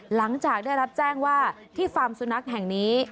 หลังจากได้รับแจ้งว่าที่ฟาร์มสุนัขแห่งนี้